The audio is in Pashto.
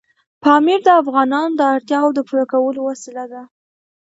پامیر د افغانانو د اړتیاوو د پوره کولو وسیله ده.